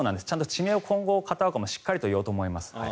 地名を今後、片岡もしっかり言おうと思います。